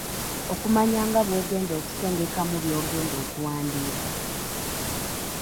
Okumanya nga bw’ogenda okusengekamu by’ogenda okuwandiika